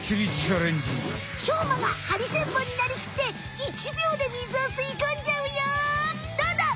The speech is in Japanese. しょうまがハリセンボンになりきって１秒で水を吸い込んじゃうよ！どうだ！？